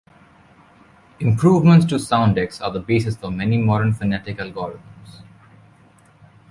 Improvements to Soundex are the basis for many modern phonetic algorithms.